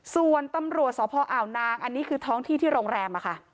ส่วนตำรวจสพอ่าวนางอันนี้คือท้องที่ที่โรงแรม